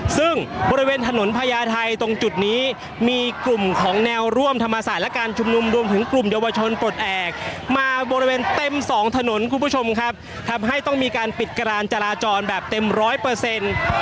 ซึ่งบริเวณถนนพญาไทยตรงจุดนี้มีกลุ่มของแนวร่วมธรรมศาสตร์และการชุมนุมรวมถึงกลุ่มเยาวชนปลดแอบมาบริเวณเต็มสองถนนคุณผู้ชมครับทำให้ต้องมีการปิดการจราจรแบบเต็มร้อยเปอร์เซ็นต์